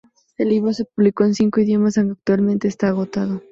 El libro se publicó en cinco idiomas aunque actualmente está agotado.